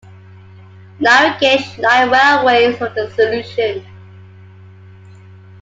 Narrow gauge light railways were the solution.